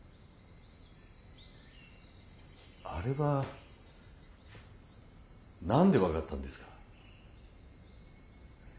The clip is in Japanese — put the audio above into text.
あれは何で分かったんですか？